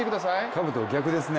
かぶと、逆ですね。